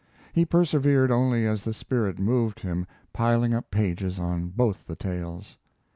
He persevered only as the spirit moved him, piling up pages on both the tales.